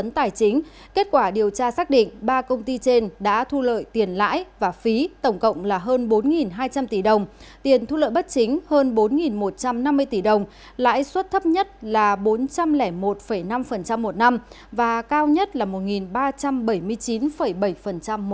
tài chính kết quả điều tra xác định ba công ty trên đã thu lợi tiền lãi và phí tổng cộng là hơn bốn hai trăm linh tỷ đồng tiền thu lợi bất chính hơn bốn một trăm năm mươi tỷ đồng lãi suất thấp nhất là bốn trăm linh một năm một năm và cao nhất là một ba trăm bảy mươi chín bảy một năm